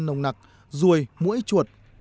nồng nặc ruồi mũi chuột